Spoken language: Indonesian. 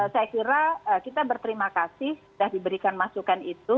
saya kira kita berterima kasih sudah diberikan masukan itu